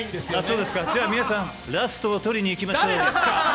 そうですか、じゃあ皆さん、ラストを取りにいきましょう。